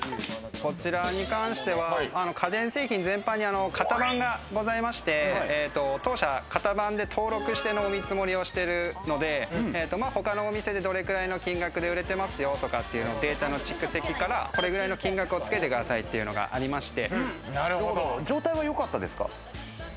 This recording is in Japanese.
こちらに関しては、家電製品全般に型番がございまして、当社型番で登録してのお見積もりをしているので、他のお店でどれくらいの金額で売れていますよとかっていうのを、データの蓄積からこのくらいの金額をつけてくださいというのがありまして。